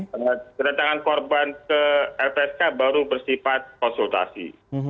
karena kedatangan korban ke lpsk baru bersifat konsultasi